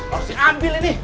harus diambil ini